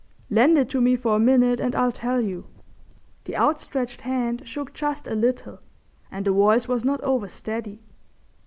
"Lend it to me for a minute and I'll tell you." The outstretched hand shook just a little and the voice was not over steady.